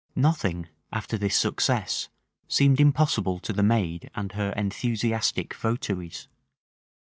Nothing, after this success, seemed impossible to the maid and her enthusiastic votaries.